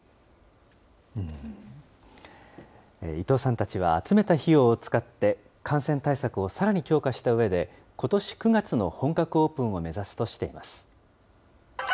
伊藤さんたちは集めた費用を使って、感染対策をさらに強化したうえで、ことし９月の本格オープンを目指すとしています。